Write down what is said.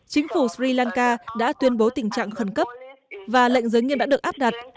chính phủ sri lanka đã tuyên bố tình trạng khẩn cấp và lệnh giới nghiêm đã được áp đặt